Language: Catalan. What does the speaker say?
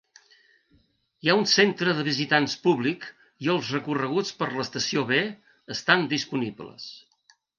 Hi ha un centre de visitants públic i els recorreguts per l'estació "B" estan disponibles.